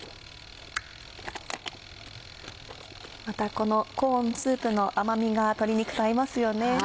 またこのコーンスープの甘みが鶏肉と合いますよね。